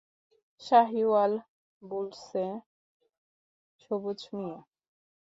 শাহীওয়াল বুলসে সবুজ মিয়া।